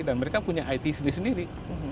dan mereka punya it sendiri sendiri